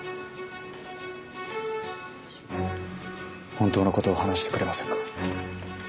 本当のことを話してくれませんか？